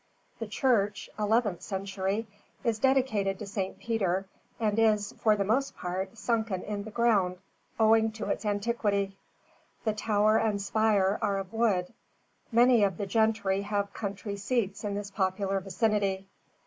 The church eleventh century is dedicated to St. Peter, and is, for the most part, sunken in the ground owing to its antiquity. The tower and spire are of wood. Many of the gentry have country seats in this popular vicinity.